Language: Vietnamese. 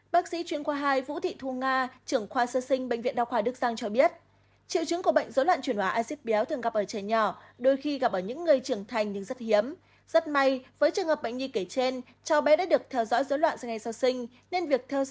bác sĩ chuyên khoa hai vũ thị thu nga trưởng khoa sơ sinh bệnh viện đa khoa đức giang cho biết triệu chứng của bệnh dối loạn chuyển hóa acid béo thường gặp ở trẻ nhỏ đôi khi gặp ở những người trưởng thành nhưng rất hiếm